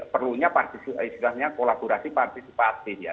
perlunya partisipasinya kolaborasi partisipasi ya